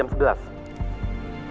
apa ada perkembangan